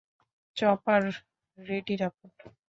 Chopper ready রাখুন।